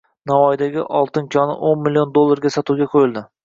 Navoiydagi oltin konio'nmillion dollarga sotuvga qo‘yildi